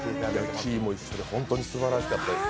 キーも一緒でホントにすばらしかったです。